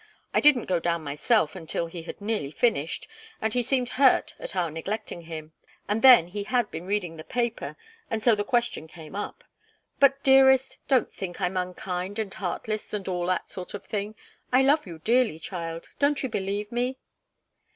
I didn't go down myself until he had nearly finished, and he seemed hurt at our neglecting him. And then, he had been reading the paper, and so the question came up. But, dearest, don't think I'm unkind and heartless and all that sort of thing. I love you dearly, child. Don't you believe me?"